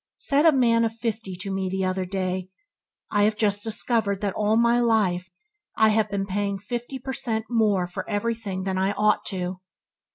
Said a man of fifty to me other day, "I have just discovered that all my life I have been paying fifty percent, more for everything than I ought to."